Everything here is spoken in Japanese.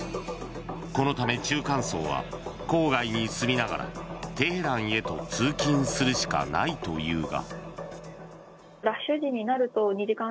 そのため、中間層は郊外に住みながらテヘランへと通勤するしかないというが。